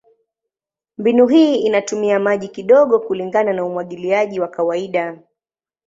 Mbinu hii inatumia maji kidogo kulingana na umwagiliaji wa kawaida.